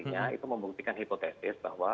artinya itu membuktikan hipotesis bahwa